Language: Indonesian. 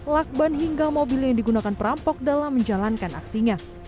lakban hingga mobil yang digunakan perampok dalam menjalankan aksinya